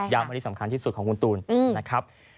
อันนี้สำคัญที่สุดของคุณตูนนะครับ